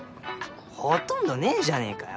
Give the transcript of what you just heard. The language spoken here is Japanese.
ほとんどねえじゃねぇかよ。